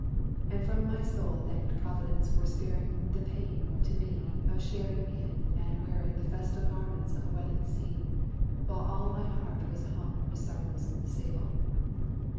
And from my soul thanked Providence for sparing The pain, to me, of sharing in, and wearing The festal garments of a wedding scene, While all my heart was hung with sorrow's sable.